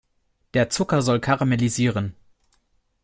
Der Zucker soll karamellisieren.